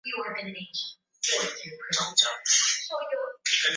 bei za masoko zinahitaji kuwa sahihi kabisa